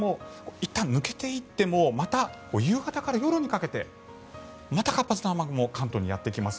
いったん抜けていっても夕方から夜にかけてまた活発な雨雲が関東にやってきます。